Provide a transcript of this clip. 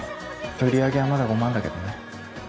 売り上げはまだ５万だけどね。